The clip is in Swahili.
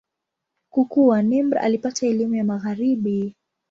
Kukua, Nimr alipata elimu ya Magharibi.